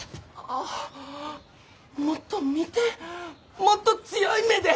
あっもっと見てもっと強い目で！